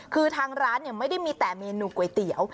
คือทางร้านไม่ได้มีแต่เมนูก๋วยเตี๋ยว